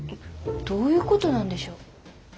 どういうことなんでしょう？